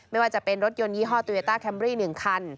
ไม่ว่าจะเป็นรถยนต์ยี่ห้อโตยาต้าแคมรี่๑คัน